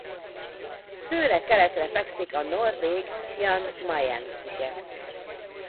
Tőle keletre fekszik a norvég Jan Mayen-sziget.